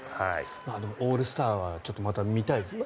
オールスターはちょっとまた見たいですね。